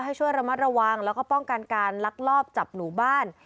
ให้ช่วยระมัดระวังแล้วก็ป้องกันการลักลอบจับหนูบ้าน